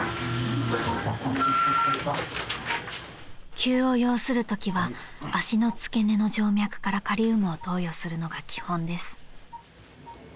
［急を要するときは足の付け根の静脈からカリウムを投与するのが基本です］